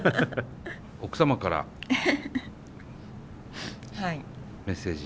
奥様からメッセージ。